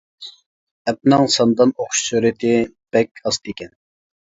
ئەپنىڭ ساندان ئوقۇش سۈرئىتى بەك ئاستىكەن.